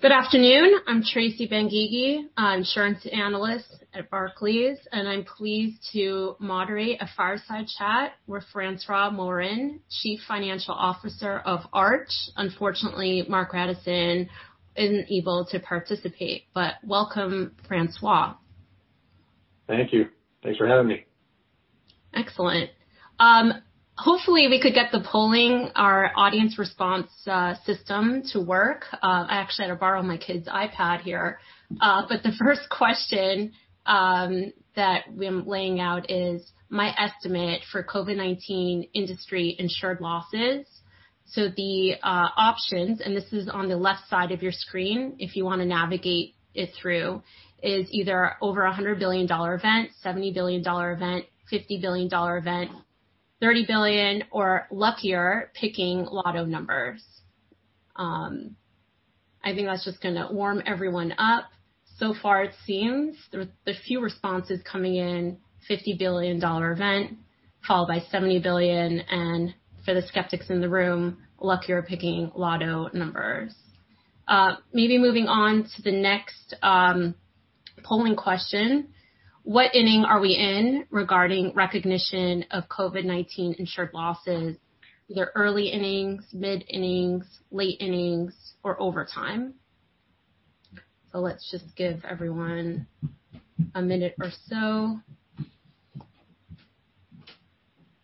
Good afternoon. I'm Tracy Bangige, Insurance Analyst at Barclays, and I'm pleased to moderate a fireside chat with François Morin, Chief Financial Officer of Arch. Unfortunately, Marc Grandisson isn't able to participate, welcome, François. Thank you. Thanks for having me. Excellent. Hopefully, we could get the polling, our audience response system, to work. I actually had to borrow my kid's iPad here. The first question that I'm laying out is my estimate for COVID-19 industry insured losses. The options, and this is on the left side of your screen, if you want to navigate it through, is either over $100 billion event, $70 billion event, $50 billion event, $30 billion, or luckier, picking lotto numbers. I think that's just going to warm everyone up. Far, it seems, there's a few responses coming in, $50 billion event, followed by $70 billion, and for the skeptics in the room, luckier picking lotto numbers. Maybe moving on to the next polling question. What inning are we in regarding recognition of COVID-19 insured losses? Either early innings, mid innings, late innings, or overtime. Let's just give everyone a minute or so.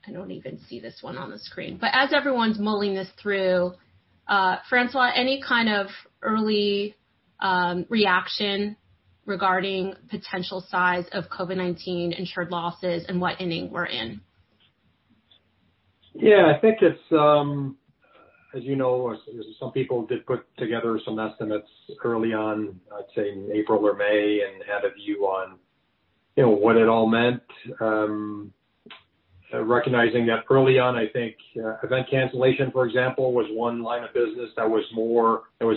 I don't even see this one on the screen. As everyone's mulling this through, François, any kind of early reaction regarding potential size of COVID-19 insured losses and what inning we're in? I think as you know, some people did put together some estimates early on, I'd say in April or May, and had a view on what it all meant. Recognizing that early on, I think event cancellation, for example, was one line of business that was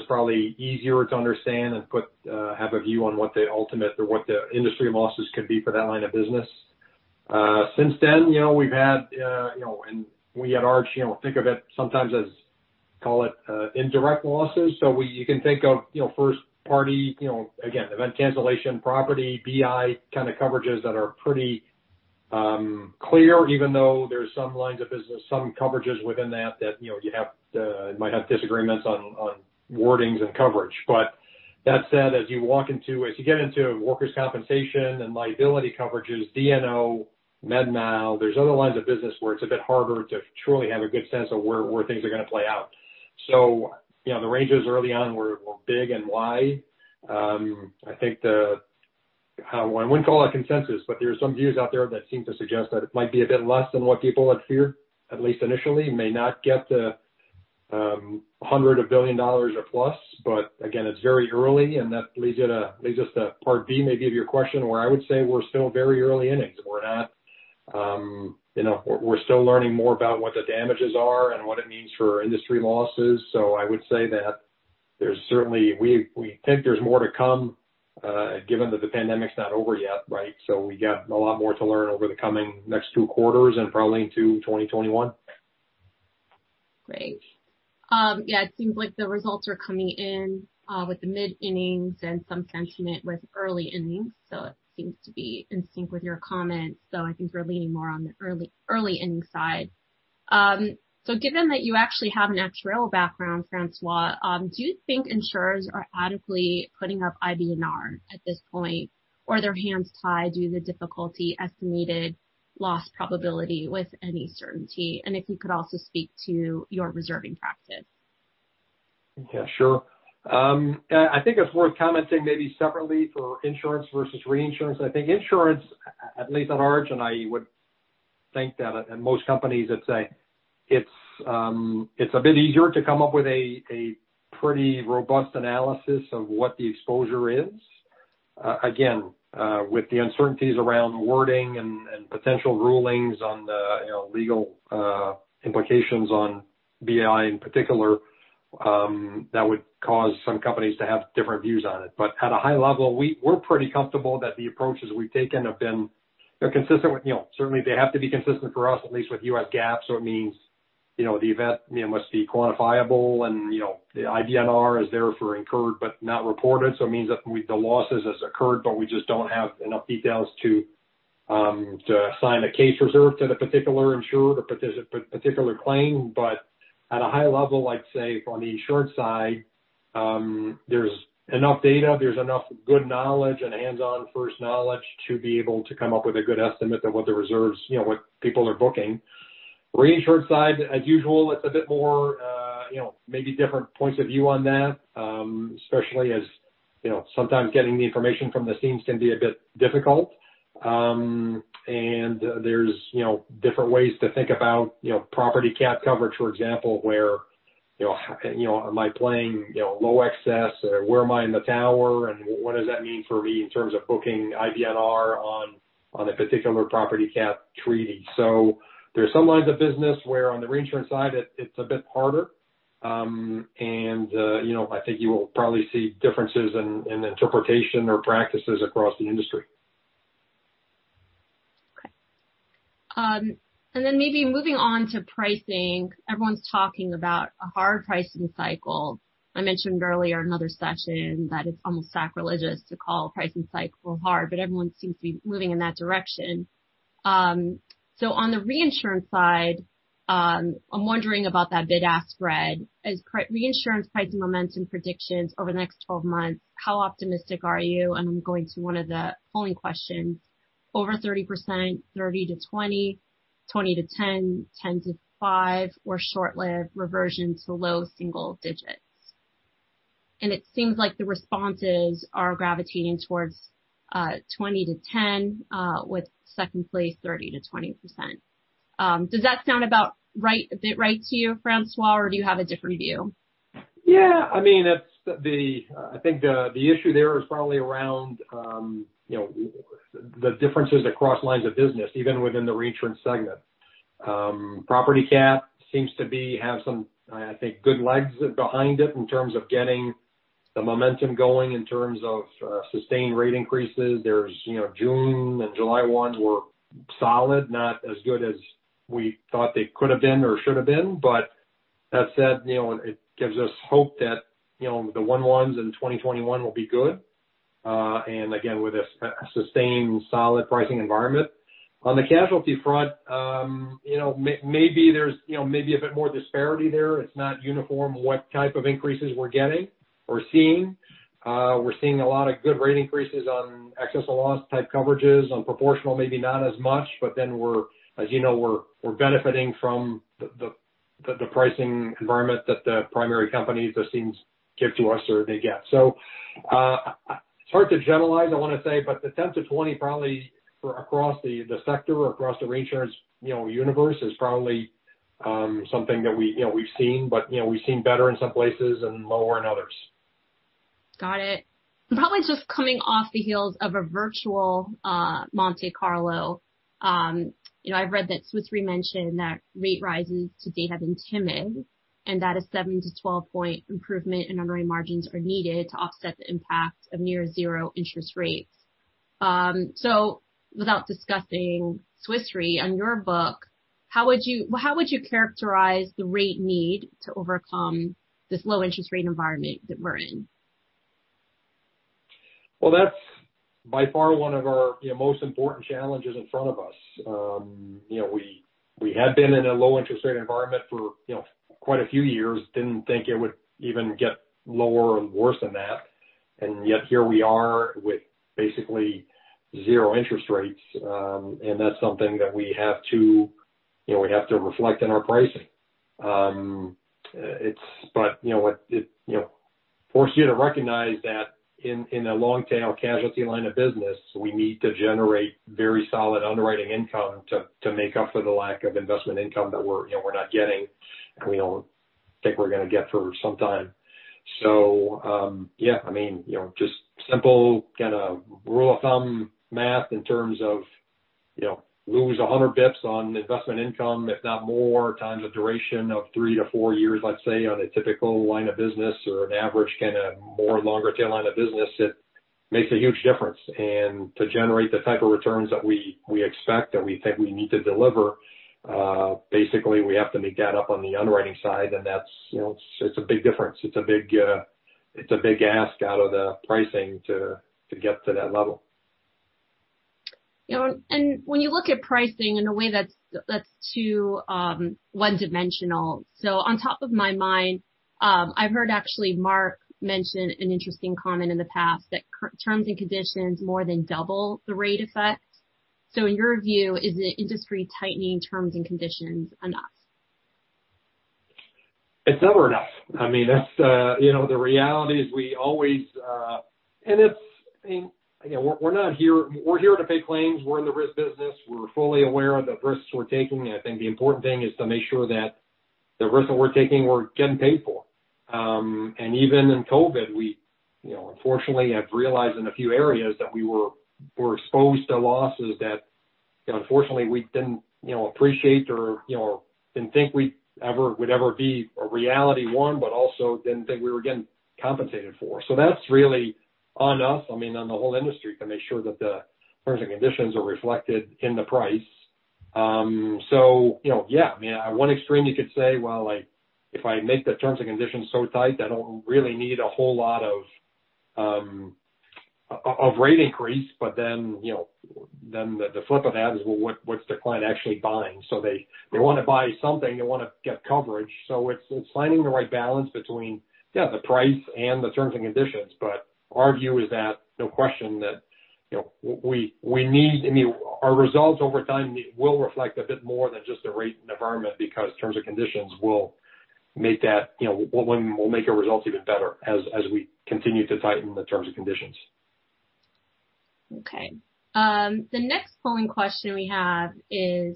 probably easier to understand and have a view on what the ultimate or what the industry losses could be for that line of business. Since then, we at Arch think of it sometimes as indirect losses. You can think of first party, again, event cancellation, property, BI kind of coverages that are pretty clear, even though there's some lines of business, some coverages within that you might have disagreements on wordings and coverage. That said, as you get into workers' compensation and liability coverages, D&O, Med Mal, there's other lines of business where it's a bit harder to truly have a good sense of where things are going to play out. The ranges early on were big and wide. I think the, I wouldn't call it consensus, but there are some views out there that seem to suggest that it might be a bit less than what people had feared, at least initially. May not get to $100 billion or plus, but again, it's very early and that leads us to part B, maybe, of your question, where I would say we're still very early innings. We're still learning more about what the damages are and what it means for industry losses. I would say that certainly we think there's more to come, given that the pandemic's not over yet, right? We got a lot more to learn over the coming next two quarters and probably into 2021. Great. Yeah, it seems like the results are coming in with the mid-innings and some sentiment with early innings, it seems to be in sync with your comments, though I think we're leaning more on the early innings side. Given that you actually have an actuarial background, François, do you think insurers are adequately putting up IBNR at this point, or are their hands tied due to difficulty estimating loss probability with any certainty? If you could also speak to your reserving practice. Yeah, sure. I think it's worth commenting maybe separately for insurance versus reinsurance. I think insurance, at least at Arch, and I would think that at most companies, I'd say it's a bit easier to come up with a pretty robust analysis of what the exposure is. Again, with the uncertainties around wording and potential rulings on the legal implications on BI in particular, that would cause some companies to have different views on it. At a high level, we're pretty comfortable that the approaches we've taken have been consistent with, certainly they have to be consistent for us, at least with US GAAP. It means the event must be quantifiable and the IBNR is therefore incurred but not reported. It means that the losses has occurred, but we just don't have enough details to assign a case reserve to the particular insurer, the particular claim. At a high level, I'd say from the insurance side, there's enough data, there's enough good knowledge and hands-on first knowledge to be able to come up with a good estimate of what the reserves, what people are booking. Reinsurance side, as usual, it's a bit more maybe different points of view on that, especially as sometimes getting the information from the scenes can be a bit difficult. There's different ways to think about property cat coverage, for example, where am I playing low excess? Where am I in the tower and what does that mean for me in terms of booking IBNR on a particular property cat treaty? There's some lines of business where on the reinsurance side, it's a bit harder. I think you will probably see differences in interpretation or practices across the industry. Maybe moving on to pricing. Everyone's talking about a hard pricing cycle. I mentioned earlier in another session that it's almost sacrilegious to call a pricing cycle hard, but everyone seems to be moving in that direction. On the reinsurance side, I'm wondering about that bid-ask spread. As reinsurance pricing momentum predictions over the next 12 months, how optimistic are you? I'm going to one of the polling questions, over 30%, 30%-20%, 20%-10%, 10%-5%, or short-lived reversion to low single digits. It seems like the responses are gravitating towards 20%-10%, with second place 30%-20%. Does that sound about right to you, François, or do you have a different view? Yeah. I think the issue there is probably around the differences across lines of business, even within the reinsurance segment. Property cat seems to have some, I think, good legs behind it in terms of getting the momentum going in terms of sustained rate increases. There's June and July ones were solid, not as good as we thought they could've been or should've been. That said, it gives us hope that the one ones in 2021 will be good. Again, with a sustained solid pricing environment. On the casualty front, maybe a bit more disparity there. It's not uniform what type of increases we're getting or seeing. We're seeing a lot of good rate increases on excess of loss type coverages. As you know, we're benefiting from the pricing environment that the primary companies are seeing give to us or they get. It's hard to generalize, I want to say, but the 10-20 probably for across the sector or across the reinsurance universe is probably something that we've seen. We've seen better in some places and lower in others. Got it. Probably just coming off the heels of a virtual Monte Carlo. I've read that Swiss Re mentioned that rate rises to date have been timid, and that a 7-12-point improvement in underwriting margins are needed to offset the impact of near zero interest rates. Without discussing Swiss Re, on your book, how would you characterize the rate need to overcome this low interest rate environment that we're in? Well, that's by far one of our most important challenges in front of us. We had been in a low interest rate environment for quite a few years, didn't think it would even get lower or worse than that. Yet here we are with basically zero interest rates. That's something that we have to reflect in our pricing. It force you to recognize that in a long tail casualty line of business, we need to generate very solid underwriting income to make up for the lack of investment income that we're not getting, and we don't think we're going to get for some time. Yeah. Just simple rule of thumb math in terms of lose 100 basis points on investment income, if not more, times the duration of 3-4 years, let's say on a typical line of business or an average more longer tail line of business, it makes a huge difference. To generate the type of returns that we expect and we think we need to deliver, basically, we have to make that up on the underwriting side, and it's a big difference. It's a big ask out of the pricing to get to that level. When you look at pricing in a way that's too one-dimensional. On top of my mind, I've heard actually Marc mention an interesting comment in the past that terms and conditions more than double the rate effect. In your view, is the industry tightening terms and conditions enough? It's never enough. The reality is We're here to pay claims. We're in the risk business. We're fully aware of the risks we're taking, and I think the important thing is to make sure that the risk that we're taking, we're getting paid for. Even in COVID, we unfortunately have realized in a few areas that we were exposed to losses that unfortunately we didn't appreciate or didn't think would ever be a reality, one, but also didn't think we were getting compensated for. That's really on us, on the whole industry to make sure that the terms and conditions are reflected in the price. Yeah. At one extreme, you could say, well, if I make the terms and conditions so tight, I don't really need a whole lot of rate increase. The flip of that is, well, what's the client actually buying? They want to buy something, they want to get coverage. It's finding the right balance between the price and the terms and conditions. Our view is that no question, our results over time will reflect a bit more than just the rate and environment, because terms and conditions will make our results even better as we continue to tighten the terms and conditions. Okay. The next polling question we have is,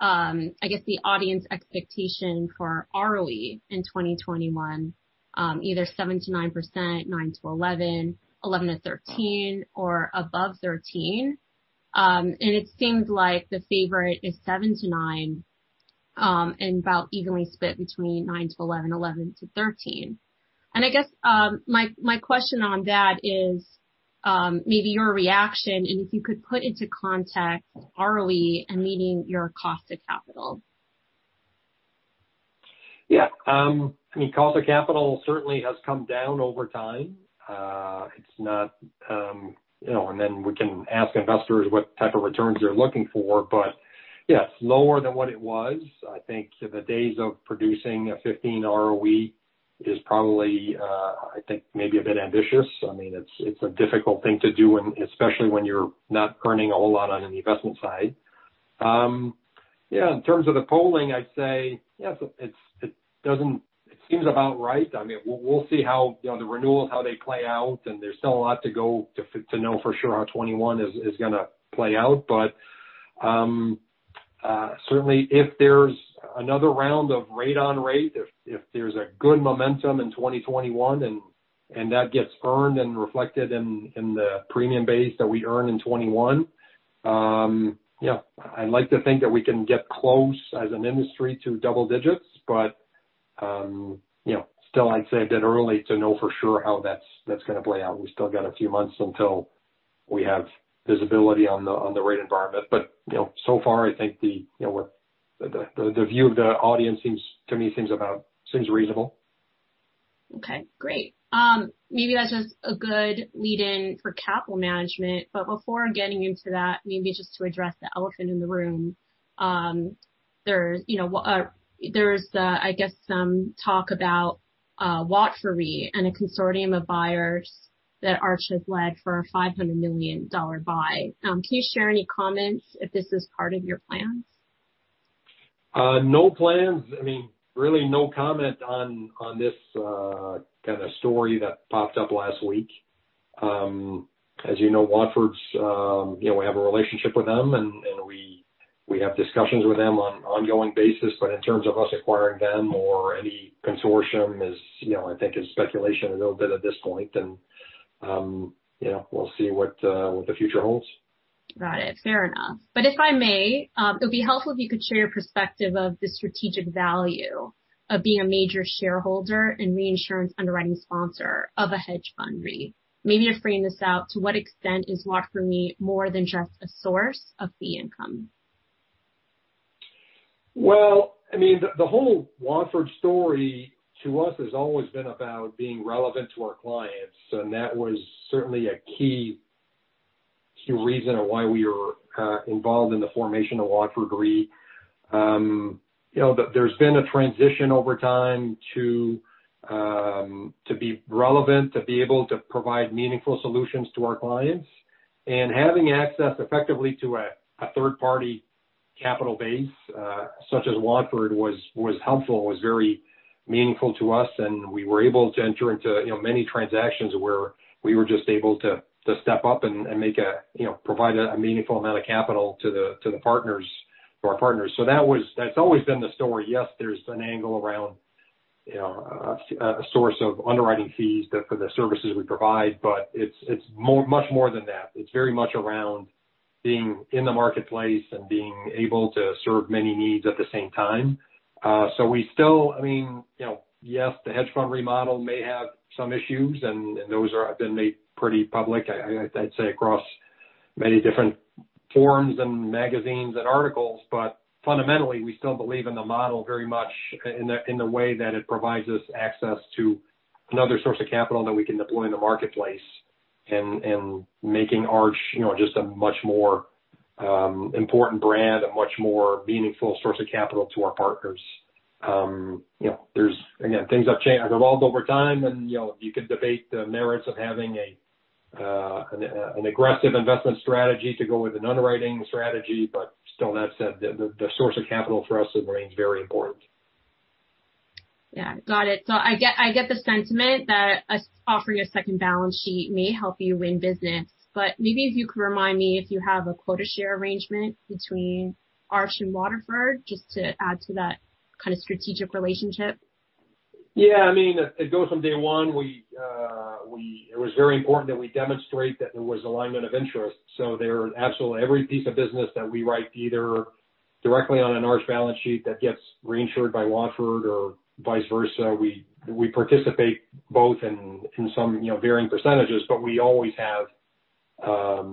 I guess the audience expectation for ROE in 2021, either 7%-9%, 9%-11%, 11%-13%, or above 13%. It seems like the favorite is 7%-9%. About evenly split between 9%-11%, 11%-13%. I guess my question on that is, maybe your reaction and if you could put into context ROE and meeting your cost of capital. Yeah. Cost of capital certainly has come down over time. Then we can ask investors what type of returns they're looking for. Yes, lower than what it was. I think the days of producing a 15 ROE is probably, I think, maybe a bit ambitious. It's a difficult thing to do, especially when you're not earning a whole lot on an investment side. Yeah, in terms of the polling, I'd say, yes, it seems about right. We'll see how the renewals, how they play out, and there's still a lot to go to know for sure how 2021 is going to play out. Certainly if there's another round of rate on rate, if there's a good momentum in 2021 and that gets earned and reflected in the premium base that we earn in 2021, yeah, I'd like to think that we can get close as an industry to double digits. Still I'd say a bit early to know for sure how that's going to play out. We still got a few months until we have visibility on the rate environment. So far, I think the view of the audience seems to me seems reasonable. Okay, great. Maybe that's just a good lead in for capital management. Before getting into that, maybe just to address the elephant in the room. There's, I guess, some talk about Watford Re and a consortium of buyers that Arch has led for a $500 million buy. Can you share any comments if this is part of your plans? No plans. Really no comment on this kind of story that popped up last week. As you know, Watford's, we have a relationship with them, and we have discussions with them on an ongoing basis. In terms of us acquiring them or any consortium is, I think is speculation a little bit at this point. We'll see what the future holds. Got it. Fair enough. If I may, it would be helpful if you could share your perspective of the strategic value of being a major shareholder and reinsurance underwriting sponsor of a hedge fund re. Maybe you're fleshing this out, to what extent is Watford Re more than just a source of fee income? Well, the whole Watford story to us has always been about being relevant to our clients. That was certainly a key reason of why we were involved in the formation of Watford Re. There's been a transition over time to be relevant, to be able to provide meaningful solutions to our clients. Having access effectively to a third-party capital base such as Watford was helpful, was very meaningful to us. We were able to enter into many transactions where we were just able to step up and provide a meaningful amount of capital to our partners. That's always been the story. Yes, there's an angle around a source of underwriting fees for the services we provide, but it's much more than that. It's very much around being in the marketplace and being able to serve many needs at the same time. We still, yes, the hedge fund remodel may have some issues. Those have been made pretty public, I'd say, across many different forums and magazines and articles. Fundamentally, we still believe in the model very much in the way that it provides us access to another source of capital that we can deploy in the marketplace, and making Arch just a much more important brand, a much more meaningful source of capital to our partners. Again, things have changed, evolved over time, and you could debate the merits of having an aggressive investment strategy to go with an underwriting strategy. Still, that said, the source of capital for us remains very important. Yeah. Got it. I get the sentiment that us offering a second balance sheet may help you win business. Maybe if you could remind me if you have a quota share arrangement between Arch and Watford, just to add to that kind of strategic relationship. Yeah. It goes from day one. It was very important that we demonstrate that there was alignment of interest. They were absolutely every piece of business that we write, either directly on an Arch balance sheet that gets reinsured by Watford or vice versa. We participate both in some varying percentages, but we always have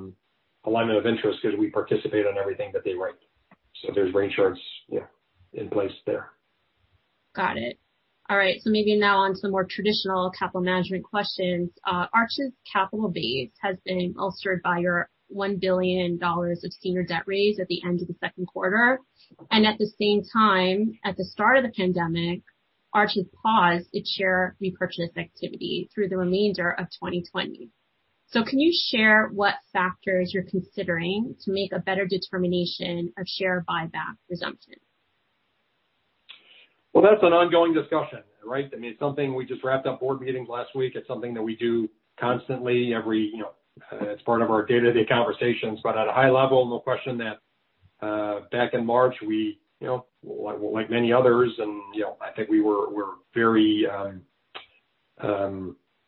alignment of interest because we participate on everything that they write. There's reinsurers in place there. Got it. All right. Maybe now on some more traditional capital management questions. Arch's capital base has been bolstered by your $1 billion of senior debt raise at the end of the second quarter. At the same time, at the start of the pandemic, Arch has paused its share repurchase activity through the remainder of 2020. Can you share what factors you're considering to make a better determination of share buyback resumption? Well, that's an ongoing discussion, right? It's something we just wrapped up board meetings last week. It's something that we do constantly. It's part of our day-to-day conversations. At a high level, no question that back in March, like many others, and I think we were very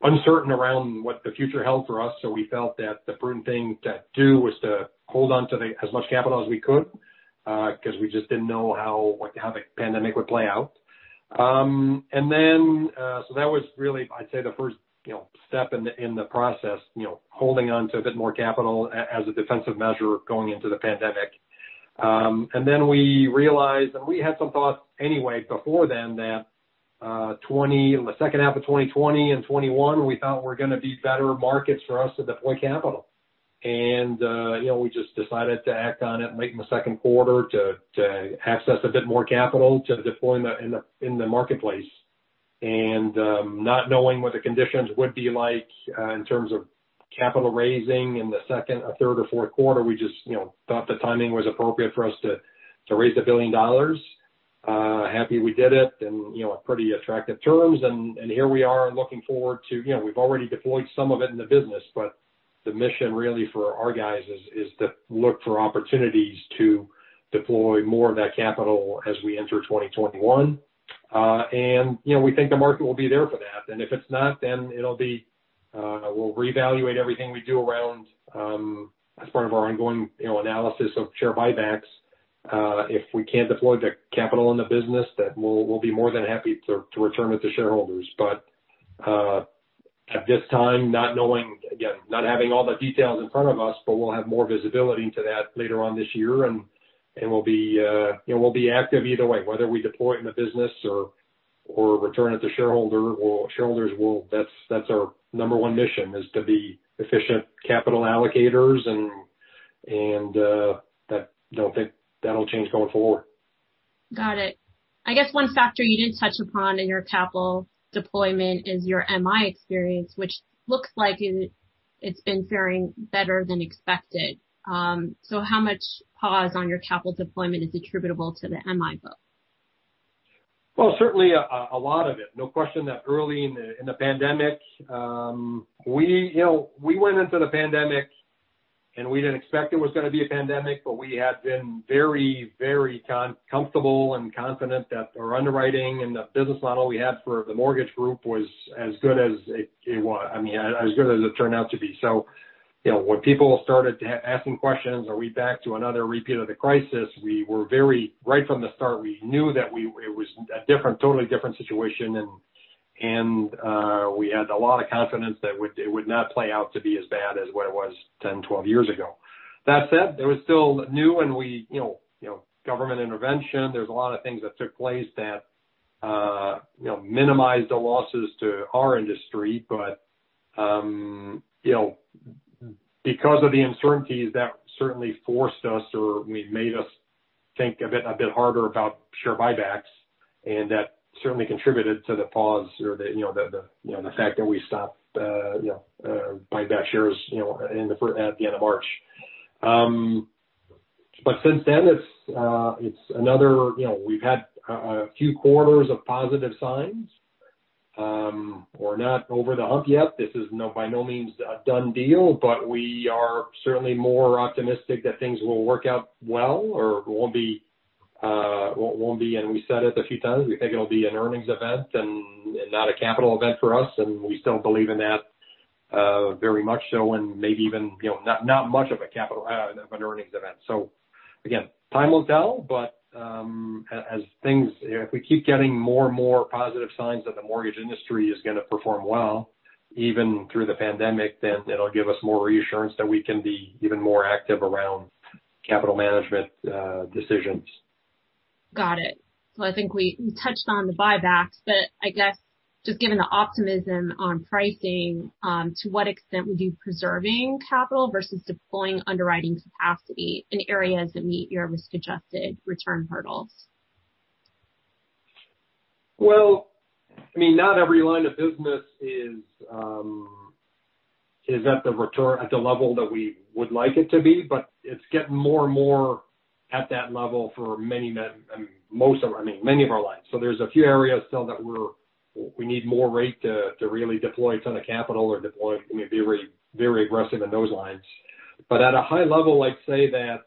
uncertain around what the future held for us, so we felt that the prudent thing to do was to hold on to as much capital as we could, because we just didn't know how the pandemic would play out. That was really, I'd say, the first step in the process, holding on to a bit more capital as a defensive measure going into the pandemic. Then we realized, and we had some thoughts anyway before then that the second half of 2020 and 2021 we thought were going to be better markets for us to deploy capital. We just decided to act on it late in the second quarter to access a bit more capital to deploy in the marketplace. Not knowing what the conditions would be like in terms of capital raising in the second or third or fourth quarter, we just thought the timing was appropriate for us to raise $1 billion. Happy we did it, and on pretty attractive terms. Here we are, we've already deployed some of it in the business, but the mission really for our guys is to look for opportunities to deploy more of that capital as we enter 2021. We think the market will be there for that. If it's not, we'll reevaluate everything we do around as part of our ongoing analysis of share buybacks. If we can't deploy the capital in the business, then we'll be more than happy to return it to shareholders. At this time, not having all the details in front of us, but we'll have more visibility into that later on this year. We'll be active either way, whether we deploy in the business or return it to shareholders. That's our number one mission, is to be efficient capital allocators and I don't think that'll change going forward. Got it. I guess one factor you did touch upon in your capital deployment is your MI experience, which looks like it's been faring better than expected. How much pause on your capital deployment is attributable to the MI book? Well, certainly a lot of it. No question that early in the pandemic, we went into the pandemic and we didn't expect it was going to be a pandemic, but we had been very comfortable and confident that our underwriting and the business model we had for the mortgage group was as good as it turned out to be. When people started asking questions, "Are we back to another repeat of the crisis?" Right from the start, we knew that it was a totally different situation and we had a lot of confidence that it would not play out to be as bad as what it was 10, 12 years ago. That said, it was still new and government intervention, there's a lot of things that took place that minimized the losses to our industry. Because of the uncertainties, that certainly forced us or made us think a bit harder about share buybacks, and that certainly contributed to the pause or the fact that we stopped buying back shares at the end of March. Since then, we've had a few quarters of positive signs. We're not over the hump yet. This is by no means a done deal, but we are certainly more optimistic that things will work out well or won't be, and we said it a few times, we think it'll be an earnings event and not a capital event for us, and we still believe in that very much so, and maybe even not much of an earnings event. Again, time will tell, but if we keep getting more and more positive signs that the mortgage industry is going to perform well, even through the pandemic, then it'll give us more reassurance that we can be even more active around capital management decisions. Got it. I think we touched on the buybacks, but I guess just given the optimism on pricing, to what extent would you be preserving capital versus deploying underwriting capacity in areas that meet your risk-adjusted return hurdles? Well, not every line of business is at the level that we would like it to be, but it's getting more and more at that level for many of our lines. There's a few areas still that we need more rate to really deploy a ton of capital or be very aggressive in those lines. At a high level, I'd say that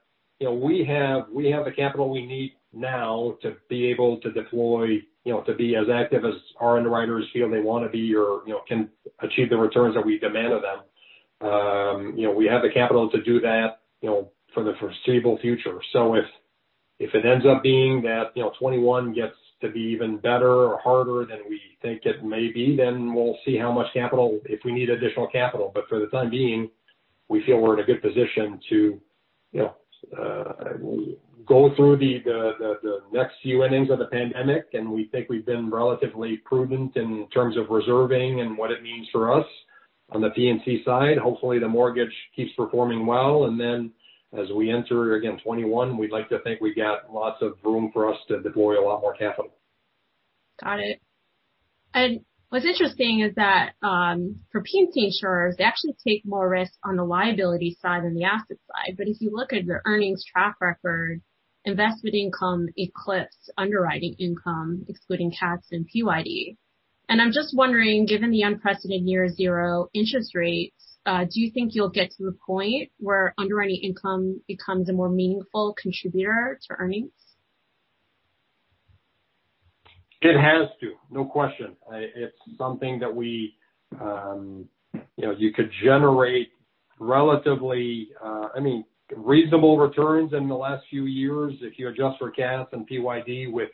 we have the capital we need now to be able to deploy, to be as active as our underwriters feel they want to be or can achieve the returns that we demand of them. We have the capital to do that for the foreseeable future. If it ends up being that 2021 gets to be even better or harder than we think it may be, then we'll see how much capital, if we need additional capital. For the time being, we feel we're in a good position to go through the next few innings of the pandemic, and we think we've been relatively prudent in terms of reserving and what it means for us on the P&C side. Hopefully, the mortgage keeps performing well, as we enter, again, 2021, we'd like to think we got lots of room for us to deploy a lot more capital. Got it. What's interesting is that for P&C insurers, they actually take more risks on the liability side than the asset side. If you look at your earnings track record, investment income eclipsed underwriting income, excluding CATs and PYD. I'm just wondering, given the unprecedented near-zero interest rates, do you think you'll get to the point where underwriting income becomes a more meaningful contributor to earnings? It has to, no question. It's something that you could generate relatively reasonable returns in the last few years if you adjust for CATs and PYD with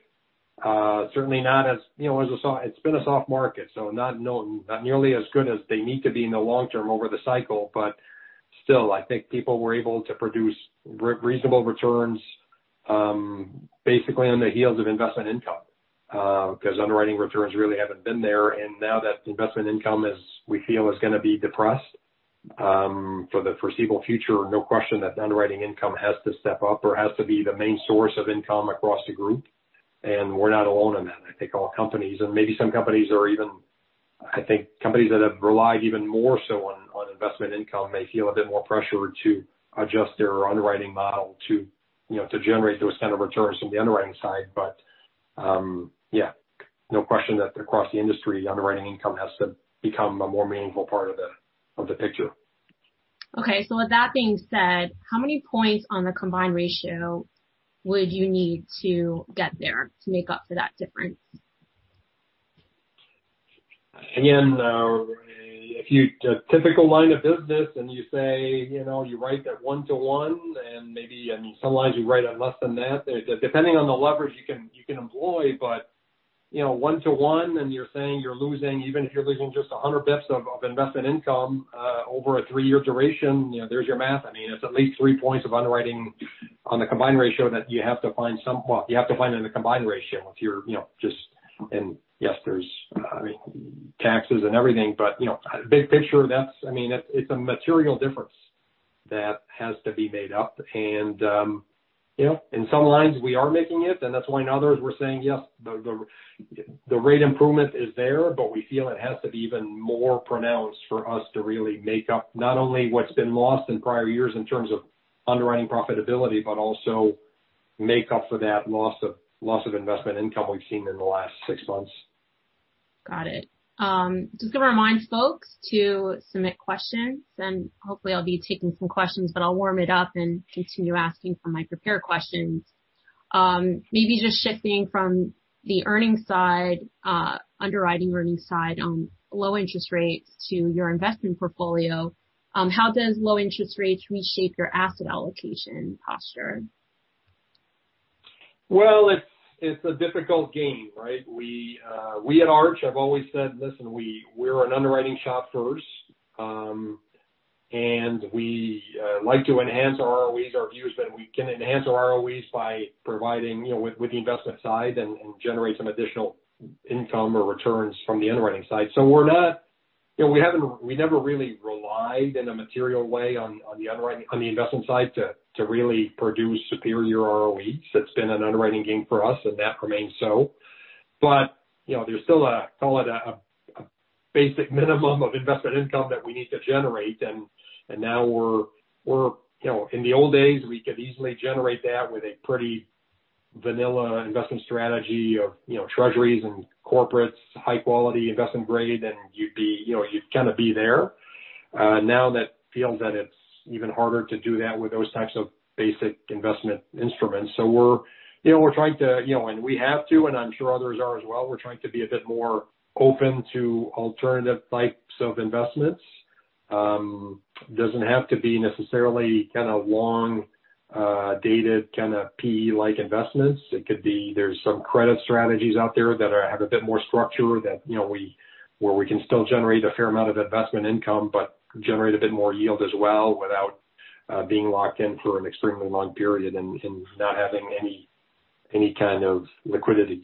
certainly. It's been a soft market, so not nearly as good as they need to be in the long term over the cycle, but still, I think people were able to produce reasonable returns basically on the heels of investment income because underwriting returns really haven't been there. Now that investment income is, we feel, is going to be depressed for the foreseeable future. No question that underwriting income has to step up or has to be the main source of income across the group, and we're not alone in that. I think all companies and maybe some companies are. I think companies that have relied even more so on investment income may feel a bit more pressure to adjust their underwriting model to generate those kind of returns from the underwriting side. Yeah. No question that across the industry, underwriting income has to become a more meaningful part of the picture. Okay. With that being said, how many points on the combined ratio would you need to get there to make up for that difference? If you do a typical line of business and you say you write that 1 to 1 and maybe some lines you write at less than that, depending on the leverage you can employ. 1 to 1 and you're saying you're losing even if you're losing just 100 basis points of investment income, over a three-year duration, there's your math. It's at least three points of underwriting on the combined ratio that you have to find. Well, you have to find it in the combined ratio if you're just and yes, there's taxes and everything, but big picture, it's a material difference that has to be made up. In some lines, we are making it, and that's why in others, we're saying, yes, the rate improvement is there, but we feel it has to be even more pronounced for us to really make up not only what's been lost in prior years in terms of underwriting profitability, but also make up for that loss of investment income we've seen in the last six months. Got it. Just going to remind folks to submit questions, hopefully I'll be taking some questions, but I'll warm it up and continue asking from my prepared questions. Maybe just shifting from the earnings side, underwriting earnings side on low interest rates to your investment portfolio. How does low interest rates reshape your asset allocation posture? Well, it's a difficult game, right? We at Arch have always said, listen, we're an underwriting shop first, and we like to enhance our ROEs. Our view is that we can enhance our ROEs by providing with the investment side and generate some additional income or returns from the underwriting side. We never really relied in a material way on the investment side to really produce superior ROEs. It's been an underwriting game for us, and that remains so. There's still a basic minimum of investment income that we need to generate. Now in the old days, we could easily generate that with a pretty vanilla investment strategy of treasuries and corporates, high quality investment grade, and you'd be there. Now that feels that it's even harder to do that with those types of basic investment instruments. We're trying to, and we have to, and I'm sure others are as well, we're trying to be a bit more open to alternative types of investments. It doesn't have to be necessarily long-dated, PE-like investments. It could be there's some credit strategies out there that have a bit more structure where we can still generate a fair amount of investment income but generate a bit more yield as well without being locked in for an extremely long period and not having any kind of liquidity.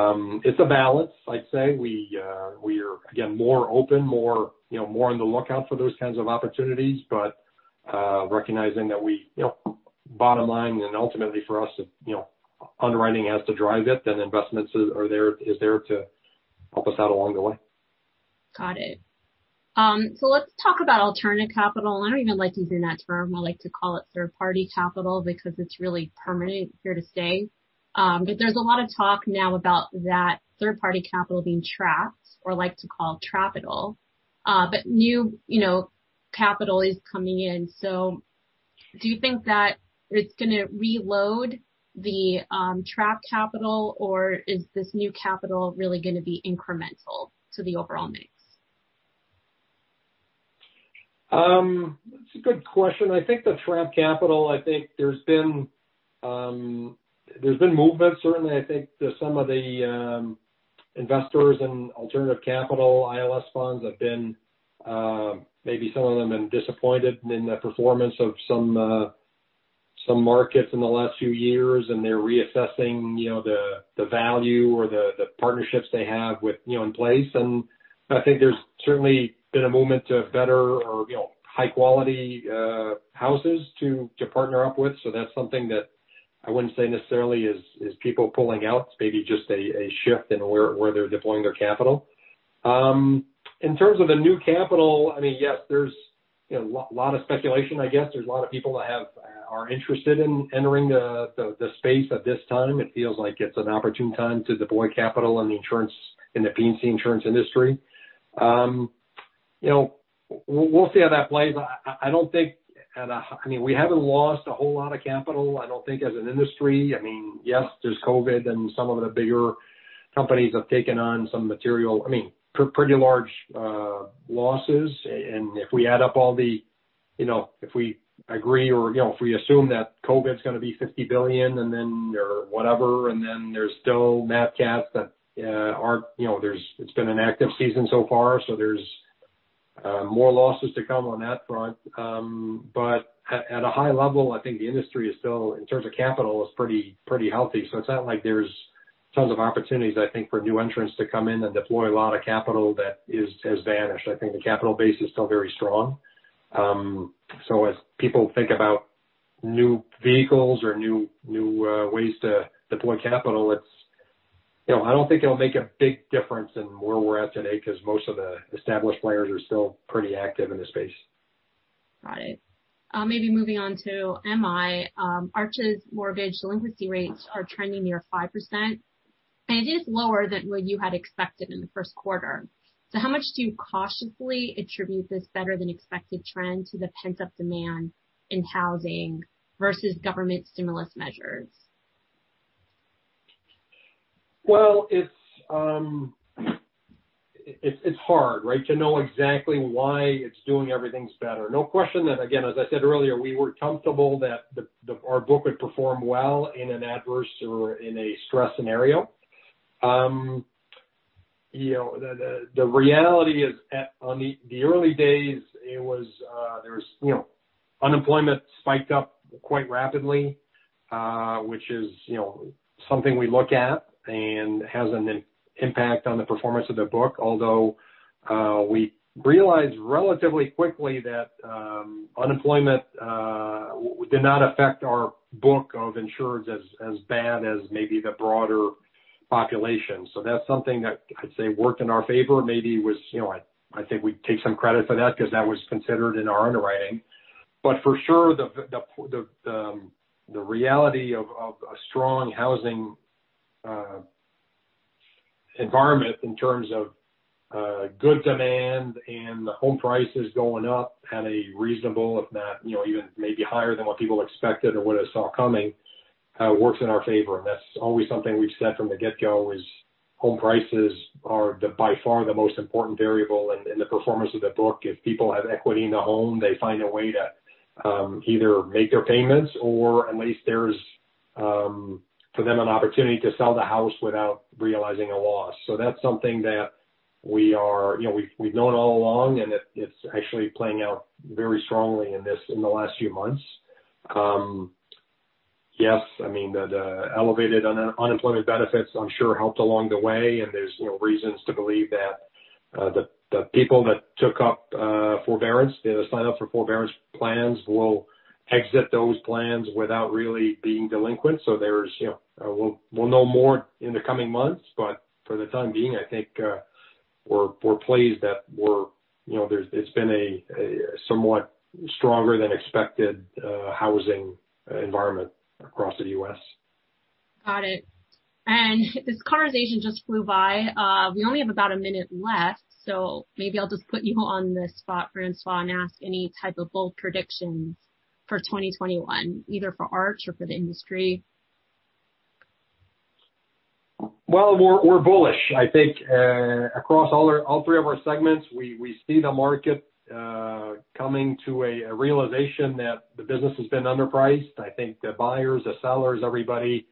It's a balance, I'd say. We're, again, more open, more on the lookout for those kinds of opportunities. Recognizing that bottom line and ultimately for us, underwriting has to drive it, and investments is there to help us out along the way. Got it. Let's talk about alternate capital. I don't even like using that term. I like to call it third-party capital because it's really permanent, here to stay. There's a lot of talk now about that third-party capital being trapped, or like to call trapital. New capital is coming in. Do you think that it's going to reload the trapped capital, or is this new capital really going to be incremental to the overall mix? That's a good question. I think the trapped capital, I think there's been movement, certainly. I think some of the investors in alternative capital ILS funds have been, maybe some of them have been disappointed in the performance of some markets in the last few years, and they're reassessing the value or the partnerships they have in place. I think there's certainly been a movement to better or high-quality houses to partner up with. That's something that I wouldn't say necessarily is people pulling out. It's maybe just a shift in where they're deploying their capital. In terms of the new capital, yes, there's a lot of speculation, I guess. There's a lot of people that are interested in entering the space at this time. It feels like it's an opportune time to deploy capital in the P&C insurance industry. We'll see how that plays. We haven't lost a whole lot of capital, I don't think, as an industry. Yes, there's COVID and some of the bigger companies have taken on some material, pretty large losses. If we agree or if we assume that COVID's going to be $50 billion or whatever, and then there's still nat cats that it's been an active season so far, there's more losses to come on that front. At a high level, I think the industry is still, in terms of capital, is pretty healthy. It's not like there's tons of opportunities, I think, for new entrants to come in and deploy a lot of capital that has vanished. I think the capital base is still very strong. As people think about new vehicles or new ways to deploy capital, I don't think it'll make a big difference in where we're at today, because most of the established players are still pretty active in the space. Got it. Maybe moving on to MI. Arch's mortgage delinquency rates are trending near 5%, and it is lower than what you had expected in the first quarter. How much do you cautiously attribute this better than expected trend to the pent-up demand in housing versus government stimulus measures? Well, it's hard, right, to know exactly why it's doing everything better. No question that, again, as I said earlier, we were comfortable that our book would perform well in an adverse or in a stress scenario. The reality is, on the early days, unemployment spiked up quite rapidly, which is something we look at and has an impact on the performance of the book. Although we realized relatively quickly that unemployment did not affect our book of insureds as bad as maybe the broader population. That's something that I'd say worked in our favor. I think we take some credit for that because that was considered in our underwriting. For sure, the reality of a strong housing environment in terms of good demand and home prices going up had a reasonable, if not even maybe higher than what people expected or what I saw coming, works in our favor. That's always something we've said from the get-go is home prices are by far the most important variable in the performance of the book. If people have equity in the home, they find a way to either make their payments or at least there's, for them, an opportunity to sell the house without realizing a loss. That's something that we've known all along, and it's actually playing out very strongly in the last few months. There's reasons to believe that the people that took up forbearance, signed up for forbearance plans will exit those plans without really being delinquent. We'll know more in the coming months. For the time being, I think we're pleased that it's been a somewhat stronger than expected housing environment across the U.S. Got it. This conversation just flew by. We only have about a minute left, maybe I'll just put you on the spot, François, and ask any type of bold predictions for 2021, either for Arch or for the industry. Well, we're bullish. I think across all three of our segments, we see the market coming to a realization that the business has been underpriced. I think the buyers, the sellers, everybody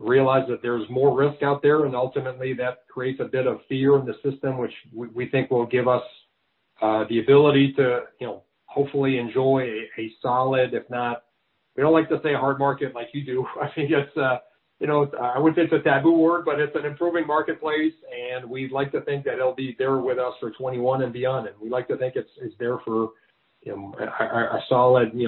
realized that there's more risk out there, ultimately that creates a bit of fear in the system, which we think will give us the ability to hopefully enjoy a solid, if not, we don't like to say hard market like you do. I would think it's a taboo word, but it's an improving marketplace, we'd like to think that it'll be there with us for 2021 and beyond. We like to think it's there for a solid-